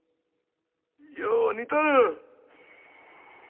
よう似とる。